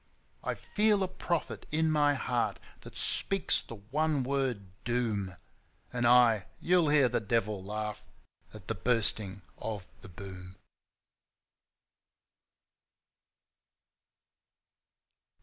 I feel a prophet in my heart that speaks the one word 'Doom!' And aye you'll hear the Devil laugh at the Bursting of the Boom.